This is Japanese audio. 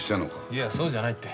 いやそうじゃないって。